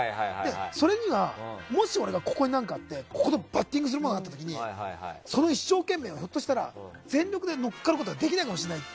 それに、もし俺が何かあってこことバッティングするものがあった時にその一生懸命がひょっとしたら全力で乗っかることができないかもしれない。